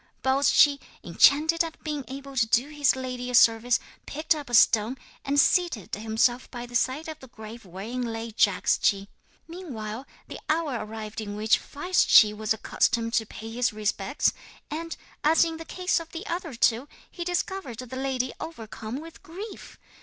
'Baldschi, enchanted at being able to do his lady a service, picked up a stone, and seated himself by the side of the grave wherein lay Jagdschi. 'Meanwhile the hour arrived in which Firedschi was accustomed to pay his respects, and, as in the case of the other two, he discovered the lady overcome with grief.